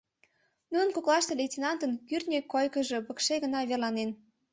Нунын коклаште лейтенантын кӱртньӧ койкыжо пыкше гына верланен.